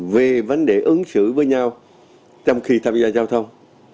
về vấn đề ứng xử với nhau trong khi tham gia giao thông